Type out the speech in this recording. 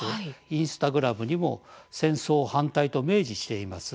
インスタグラムにも戦争反対と明示しています。